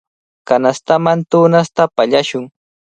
Kanastaman tunasta pallashun.